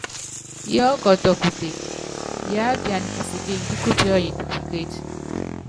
Yiɔ́kɔtɔ kuteke, yiápiana kisikili kíkupíɔ́yɛt pukéci.